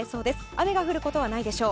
雨が降ることはないでしょう。